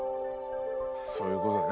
そういうことね